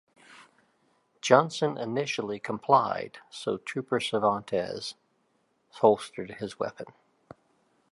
Johnson initially complied so Trooper Cervantes holstered his weapon.